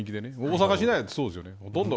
大阪市内だってそうですよね。